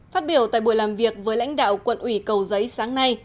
phát biểu tại buổi làm việc với lãnh đạo quận ủy cầu giấy sáng nay